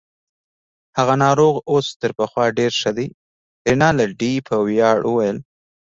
هغه ناروغ اوس تر پخوا ډیر ښه دی. رینالډي په ویاړ وویل.